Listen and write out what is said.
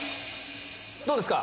どうですか？